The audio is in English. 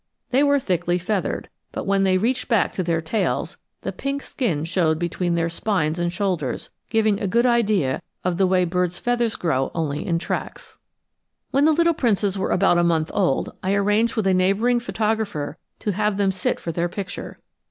They were thickly feathered, but when they reached back to their tails the pink skin showed between their spines and shoulders, giving a good idea of the way birds' feathers grow only in tracts. When the little princes were about a month old, I arranged with a neighboring photographer to have them sit for their picture.